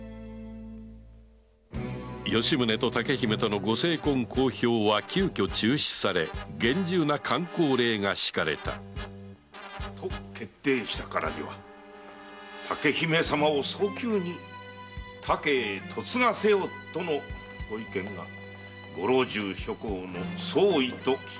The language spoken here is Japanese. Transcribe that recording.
吉宗と竹姫とのご成婚公表は急遽中止され厳重な箝口令が敷かれたと決定したからには竹姫様を早急に他家へ嫁がせよとのご意見がご老中諸侯の総意と聞き及びましたが。